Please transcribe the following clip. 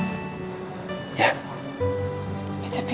tapi kita mau tinggal dimana bi